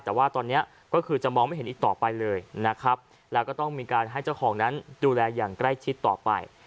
แต่ว่าตอนนี้ก็คือจะมองไม่เห็นอีกต่อไปเลยนะครับแล้วก็ต้องมีการให้เจ้าของนั้นดูแลอย่างใกล้ชิดต่อไป